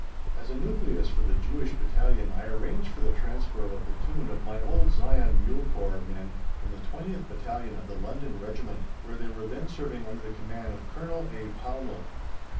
As a nucleus for the Jewish Battalion I arranged for the transfer of a platoon of my old Zion Mule Corps men from the 20th Battalion of the London Regiment, where they were then serving under the command of Colonel A. Pownall.